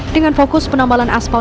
dengan fokus penambalan aspal